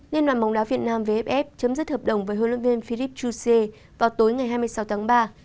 liên đoàn bóng đá việt nam vff chấm dứt hợp đồng với huấn luyện viên philippe jouzier vào tối ngày hai mươi sáu tháng ba